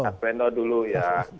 mas alswendo dulu ya